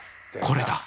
これだ！